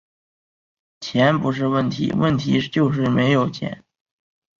钱不是问题，问题就是没有钱